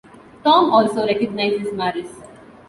Tom also recognizes Maris.